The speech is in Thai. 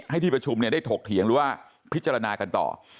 ที่ประชุมได้ถกเถียงหรือว่าพิจารณากันต่อ